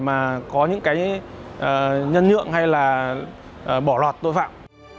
mà có những cái nhân nhượng hay là bỏng